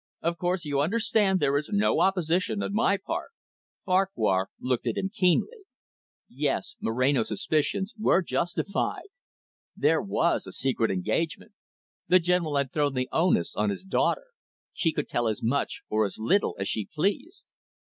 Of course, you understand there is no opposition on my part." Farquhar looked at him keenly. Yes, Moreno's suspicions were justified. There was a secret engagement. The General had thrown the onus on his daughter. She could tell as much or as little as she pleased.